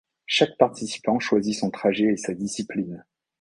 Chaque participant choisit son trajet et sa discipline.